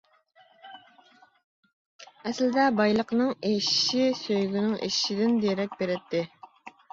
ئەسلىدە، بايلىقنىڭ ئېشىشى سۆيگۈنىڭ ئېشىشىدىن دېرەك بېرەتتى.